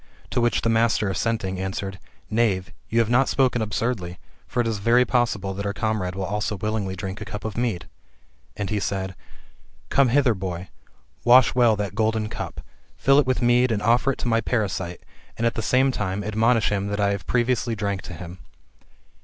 To which the master assenting, answered, Knave, you haVb not spoken absurdly : for it is very possible that our comrade will also willingly drink a cup of mead." And he said, " Come hither, boy, wash well that golden cup, fill it with mead, and offer it to my parasite ; and, at the same time, admonish him that I have previously drank to him."